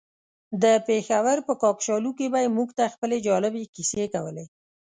د پېښور په کاکشالو کې به يې موږ ته خپلې جالبې کيسې کولې.